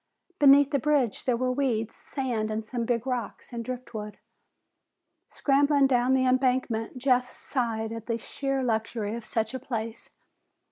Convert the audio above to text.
Beneath the bridge there were weeds, sand, some big rocks, and driftwood. Scrambling down the embankment, Jeff sighed at the sheer luxury of such a place.